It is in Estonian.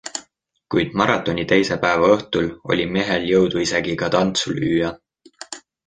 Kuid maratoni teise päeva õhtul oli mehel jõudu isegi ka tantsu lüüa!